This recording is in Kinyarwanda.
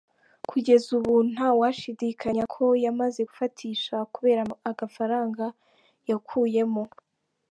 Kugeza ubu nta washidikanya ko yamaze gufatisha kubera agafaranga yakuyemo.